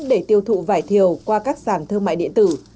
để tiêu thụ vải thiều qua các sản thương mại điện tử